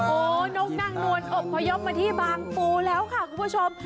โอ้โหนกนางนวลอบพยพมาที่บางปูแล้วค่ะคุณผู้ชม